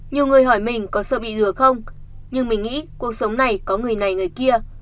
nhiều người hỏi mình có sợ bị lừa không nhưng mình nghĩ cuộc sống này có người này người kia